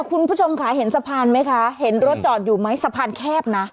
คุณผู้ชมค่ะเห็นสะพานไหมคะเห็นรถจอดอยู่ไหมสะพานแคบนะ